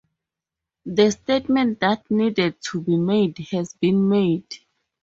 The statement that needed to be made has been made.